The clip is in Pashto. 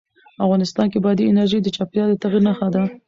افغانستان کې بادي انرژي د چاپېریال د تغیر نښه ده.